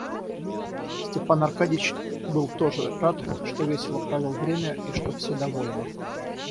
Степан Аркадьич был тоже рад, что весело провел время и что все довольны.